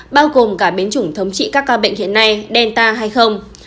bao gồm cả biến chủng thống trị các ca bệnh hiện nay delta hay không